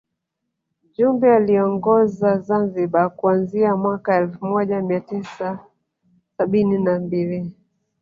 Jumbe aliiongoza Zanzibar kuanzia mwaka elfu moja mia tisa sabini na mbili